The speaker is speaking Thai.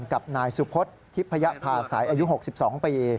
กับนายสุพธิพยภาษัยอายุ๖๒ปี